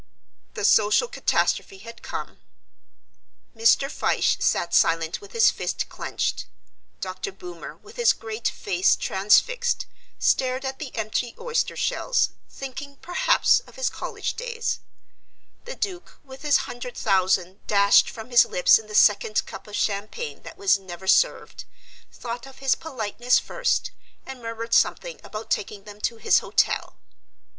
The social catastrophe had come. Mr. Fyshe sat silent with his fist clenched. Dr. Boomer, with his great face transfixed, stared at the empty oyster shells, thinking perhaps of his college days. The Duke, with his hundred thousand dashed from his lips in the second cup of champagne that was never served, thought of his politeness first and murmured something about taking them to his hotel.